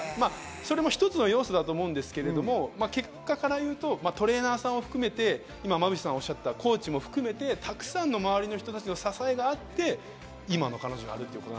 一つの要素だと思いますけど、結果から言うとトレーナーさんも含めて、馬淵さんがおっしゃったコーチも含めて沢山の周りの人たちの支えがあって、今の彼女がある。